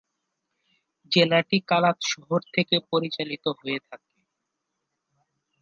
জেলাটি কালাত শহর থেকে পরিচালিত হয়ে থাকে।